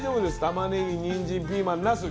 たまねぎにんじんピーマンなす